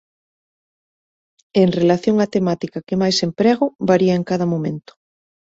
En relación á temática que máis emprego, varía en cada momento.